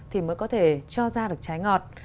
thì mới có thể cho ra được trái ngọt